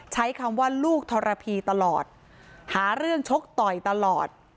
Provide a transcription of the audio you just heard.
ใช้คำว่าลูกทรพีตลอดหาเรื่องชกต่อยตลอด